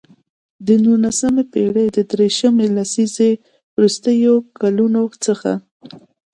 د نولسمې پېړۍ د دیرشمې لسیزې وروستیو کلونو څخه.